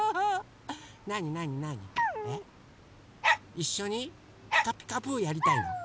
いっしょに「ピカピカブ！」やりたいの？